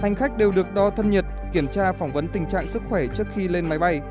hành khách đều được đo thân nhiệt kiểm tra phỏng vấn tình trạng sức khỏe trước khi lên máy bay